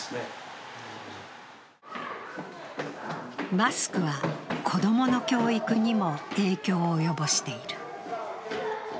マスクは子供の教育にも影響を及ぼしている。